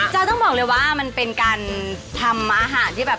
จะต้องบอกเลยว่ามันเป็นการทำอาหารที่แบบ